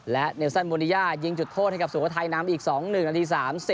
และเนลซันโมนิยายิงจุดโทษให้กับสุโขทัยนำอีก๒๑นาที๓๐